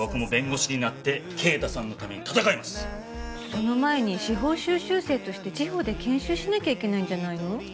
その前に司法修習生として地方で研修しなきゃいけないんじゃないの？